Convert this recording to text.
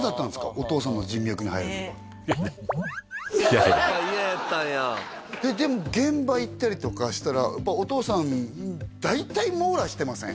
お父さんの人脈に入るのが嫌やったんやでも現場行ったりとかしたらやっぱお父さん大体網羅してません？